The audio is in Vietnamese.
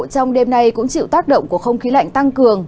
trong đêm nay cũng chịu tác động của không khí lạnh tăng cường